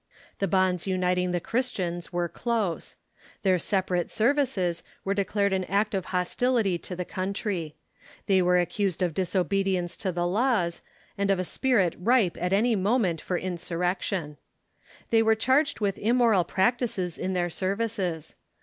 The bonds uniting the Christians were close. Their separate services were declared an act of hostil ity to the country. They were accused of disobedience to the laws, and of a spirit ripe at any moment for insurrection. They were charged Avith immoral practices in their services.